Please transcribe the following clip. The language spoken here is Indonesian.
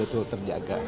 itu harus diperhatikan